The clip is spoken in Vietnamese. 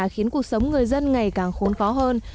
khiến cuộc sống người dân ngày càng khốn khó hơn